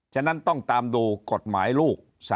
ฉะนั้นต้องตามดูกฎหมายลูก